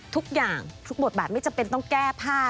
ทุกอย่างทุกบทบาทไม่จำเป็นต้องแก้ผ้า